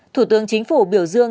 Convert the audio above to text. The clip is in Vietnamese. thủ tướng chính phủ biểu dương